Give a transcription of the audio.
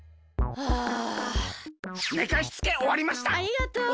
ありがとう。